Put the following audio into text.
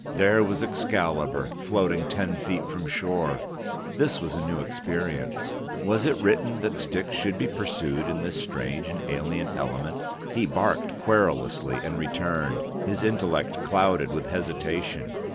There was Excalibur, floating ten feet from shore. This was a new experience. Was it written that sticks should be pursued in this strange and alien element? He barked querulously, and returned, his intellect clouded with hesitation.